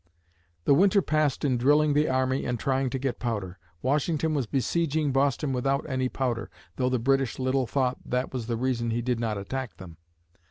The winter passed in drilling the army and trying to get powder. Washington was besieging Boston without any powder, though the British little thought that was the reason he did not attack them!